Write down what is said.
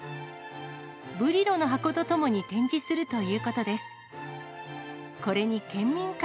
ブリロの箱とともに展示するということです。